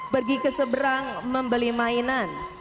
pergi keseberang membeli mainan